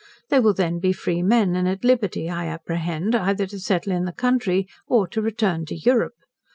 They will then be free men, and at liberty, I apprehend, either to settle in the country, or to return to Europe.